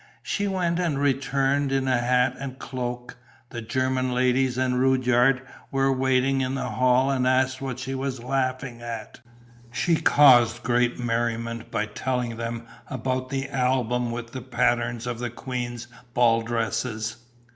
She went and returned in a hat and cloak; the German ladies and Rudyard were waiting in the hall and asked what she was laughing at. She caused great merriment by telling them about the album with the patterns of the queen's ball dresses.